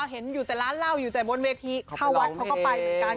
เห็นอยู่แต่ร้านเหล้าอยู่แต่บนเวทีเข้าวัดเขาก็ไปเหมือนกัน